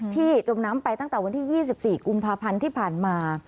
จมน้ำไปตั้งแต่วันที่๒๔กุมภาพันธ์ที่ผ่านมา